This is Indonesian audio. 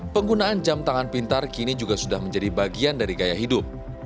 penggunaan jam tangan pintar kini juga sudah menjadi bagian dari gaya hidup